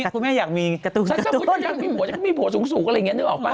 คุณแม่อยากมีการ์ตูนอยากมีผัวสูงสูงอะไรอย่างนี้นึกออกปะ